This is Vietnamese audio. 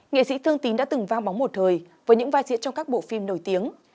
nghệ sĩ thương tín đã từng vang bóng một thời với những vai diễn trong các bộ phim nổi tiếng